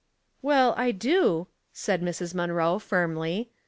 '* Well, I do," said Mrs. Munroe, firmly.